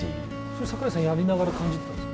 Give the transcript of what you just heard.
櫻井さん、やりながら感じてたんですか？